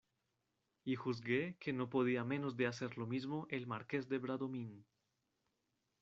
y juzgué que no podía menos de hacer lo mismo el Marqués de Bradomín.